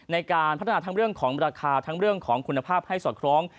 ในการพัฒนาทั้งเรื่องของราคาทั้งเรื่องของคุณภาพให้สอดคล้อง